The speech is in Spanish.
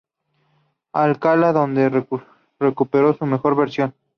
Alcalá, donde recuperó su mejor versión.